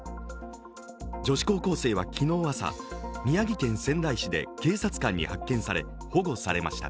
女子高校生は昨日朝、宮城県仙台市で警察官に発見され保護されました。